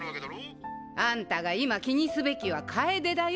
アンタが今気にすべきは楓だよ。